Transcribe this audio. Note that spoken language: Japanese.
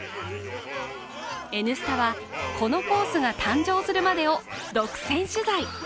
「Ｎスタ」は、このコースが誕生するまでを独占取材。